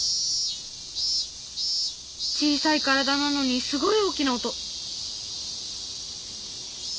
小さい体なのにすごい大きな音。